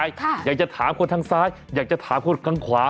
อยากจะถามคนทางซ้ายอยากจะถามคนข้างขวา